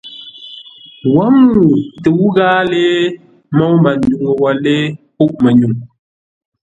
Wǒ ŋuu tə́u ghâa lée môu Manduŋ wə̂ lée pûʼ mənyuŋ.